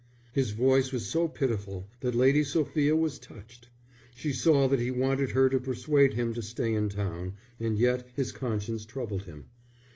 His voice was so pitiful that Lady Sophia was touched. She saw that he wanted her to persuade him to stay in town, and yet his conscience troubled him.